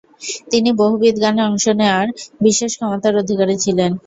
তিনি বহুবিধ গানে অংশ নেয়ার বিশেষ ক্ষমতার অধিকারী ছিলেন।